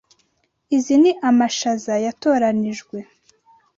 Izi ni amashaza yatoranijwe.